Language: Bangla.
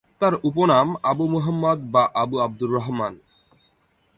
তার উপনাম আবু মুহাম্মাদ বা আবু আবদুর রহমান।